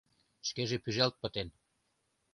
Шкеже пӱжалт пытен.